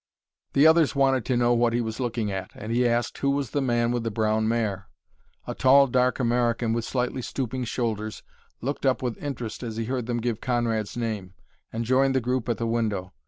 The others wanted to know what he was looking at, and he asked who was the man with the brown mare. A tall, dark American, with slightly stooping shoulders, looked up with interest as he heard them give Conrad's name, and joined the group at the window.